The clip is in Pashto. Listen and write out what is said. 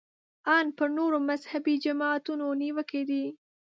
ان پر نورو مذهبي جماعتونو نیوکې دي.